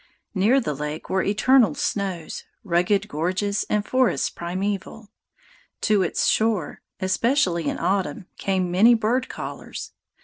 Near the lake were eternal snows, rugged gorges, and forests primeval. To its shore, especially in autumn, came many bird callers.